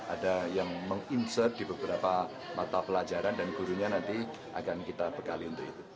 ada yang menginsert di beberapa mata pelajaran dan gurunya nanti akan kita bekali untuk itu